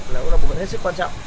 nó cũng là một phần hết sức quan trọng